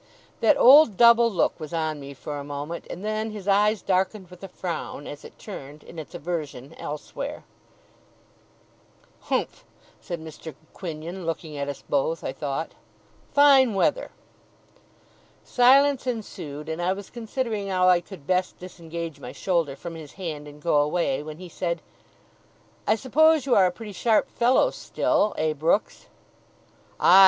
That old, double look was on me for a moment; and then his eyes darkened with a frown, as it turned, in its aversion, elsewhere. 'Humph!' said Mr. Quinion, looking at us both, I thought. 'Fine weather!' Silence ensued, and I was considering how I could best disengage my shoulder from his hand, and go away, when he said: 'I suppose you are a pretty sharp fellow still? Eh, Brooks?' 'Aye!